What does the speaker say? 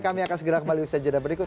kami akan segera kembali bersajar di berikut